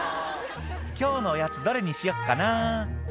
「今日のおやつどれにしよっかな」